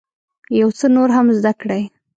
یو څه نور هم زده کړئ.